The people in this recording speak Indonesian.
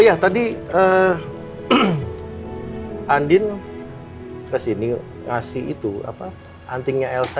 ya itu tadi andin bilang kalau itu antingnya elsa